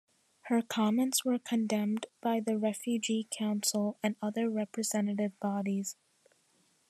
Her comments were condemned by the Refugee Council and other representative bodies.